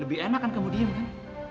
lebih enak kan kamu diam kan